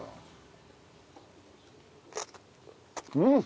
うん！